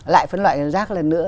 lại phân loại rác lần nữa